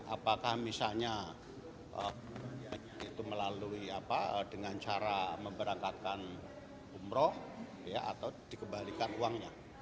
apakah misalnya itu melalui dengan cara memberangkatkan umroh atau dikembalikan uangnya